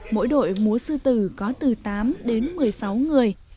mỗi đội múa sư tử có từ tám đến một mươi sáu người